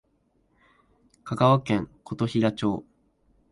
香川県琴平町